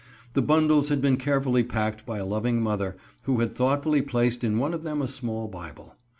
The bundles had been carefully packed by a loving mother, who had thoughtfully placed in one of them a small Bible.